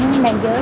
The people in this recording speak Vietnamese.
xin một đứa gà